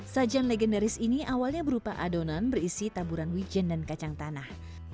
sajian legendaris ini awalnya berupa adonan berisi taburan wijen dan kacang tanah